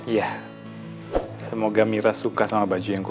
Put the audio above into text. ya udah lain kali kalo jalan hati hati sayang ya